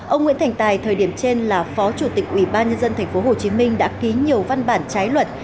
ông nguyễn thành tài thời điểm trên là phó chủ tịch ubnd tp hcm đã ký nhiều văn bản trái luật